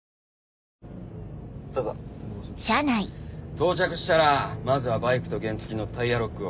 到着したらまずはバイクと原付のタイヤロックを。